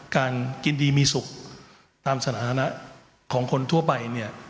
การกินดีมีสุขตามสถานะของคนทั่วไปเนี่ย